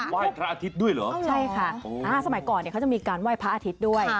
ว่ายพระอาทิตย์ด้วยเหรอใช่ค่ะสมัยก่อนเขาจะมีการว่ายพระอาทิตย์ด้วย